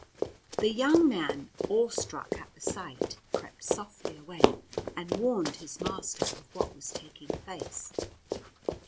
The young man, awestruck at the sight, crept softly away, and warned his master of what was taking place.